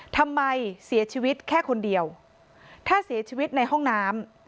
ทำไมเสียชีวิตแค่คนเดียวถ้าเสียชีวิตในห้องน้ำ